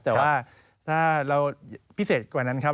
แต่ว่าถ้าเราพิเศษกว่านั้นครับ